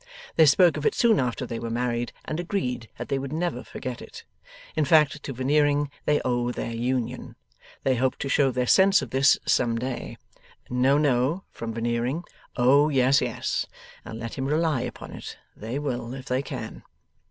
'They spoke of it soon after they were married, and agreed that they would never forget it. In fact, to Veneering they owe their union. They hope to show their sense of this some day ['No, no, from Veneering) oh yes, yes, and let him rely upon it, they will if they can!